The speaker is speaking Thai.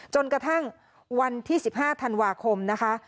จนกระทั่งวันที่๑๕ธันวาคมนะคะ